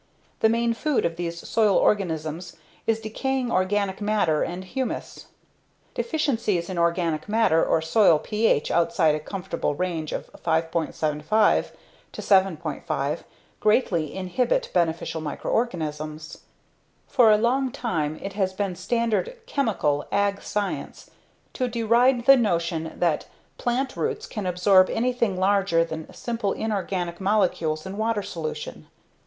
The main food of these soil organisms is decaying organic matter and humus. Deficiencies in organic matter or soil pH outside a comfortable range of 5.75 7.5 greatly inhibit beneficial microorganisms. For a long time it has been standard "chemical" ag science to deride the notion that plant roots can absorb anything larger than simple, inorganic molecules in water solution.